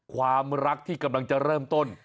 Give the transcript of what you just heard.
ความรักที่กำลังจะเริ่มต้น